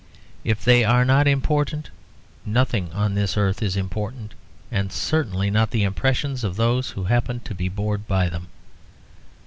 If they are not important nothing on this earth is important, and certainly not the impressions of those who happen to be bored by them.